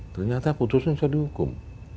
ternyata putusannya saya dihukum